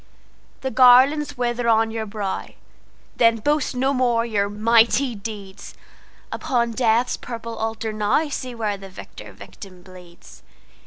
The garlands wither on your brow:Then boast no more your mighty deeds; Upon Death's purple altar nowSee where the victor victim bleeds.